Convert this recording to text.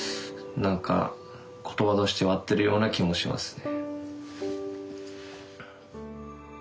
何か言葉としては合ってるような気もしますね。